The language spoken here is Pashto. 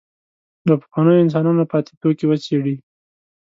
له پخوانیو انسانانو پاتې توکي وڅېړي.